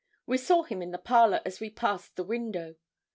We saw him in the parlour as we passed the window.